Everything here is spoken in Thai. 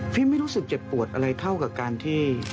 ไม่รู้สึกเจ็บปวดอะไรเท่ากับการที่